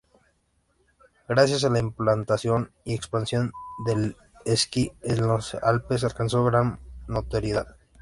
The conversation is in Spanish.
Gracias a la implantación y expansión del esquí en los Alpes alcanzó gran notoriedad.